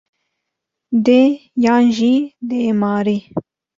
Dê yan jî dêmarî?